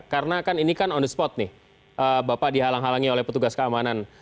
karena ini kan on the spot nih bapak dihalang halangi oleh petugas keamanan